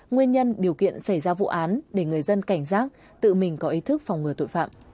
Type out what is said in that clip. nguyên nhân điều kiện xảy ra vụ án để người dân cảnh giác tự mình có ý thức phòng ngừa tội phạm